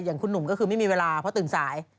อย่างคุณหนุ่มก็คือไม่มีเวลาเพราะตื่นสาย